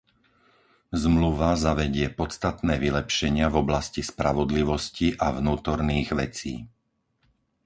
Zmluva zavedie podstatné vylepšenia v oblasti spravodlivosti a vnútorných vecí.